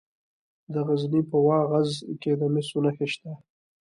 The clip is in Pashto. د غزني په واغظ کې د مسو نښې شته.